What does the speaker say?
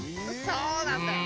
そうなんだよ。